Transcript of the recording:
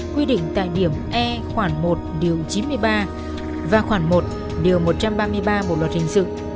quy định tại điểm e khoảng một điều chín mươi ba và khoảng một điều một trăm ba mươi ba bộ luật hình sự